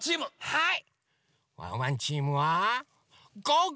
はい！